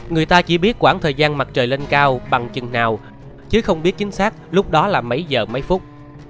người ta chỉ biết khoảng thời gian mặt trời lên cao bằng chừng nào chứ không biết chính xác lúc đó là mấy giờ mấy phút